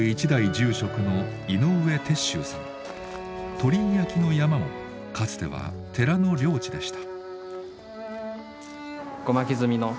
鳥居焼きの山もかつては寺の領地でした。